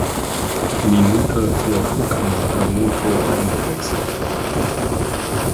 Minute für Koki Sakamoto eingewechselt.